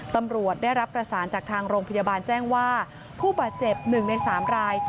ตำรวจได้รับประสานจากทางโรงพยาบาลแจ้งว่าผู้บาดเจ็บ๑ใน๓ราย